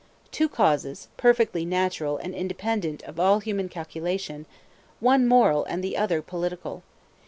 Two causes, perfectly natural and independent of all human calculation, one moral and the other political.